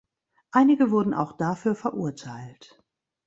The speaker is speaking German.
Einige wurden auch dafür verurteilt.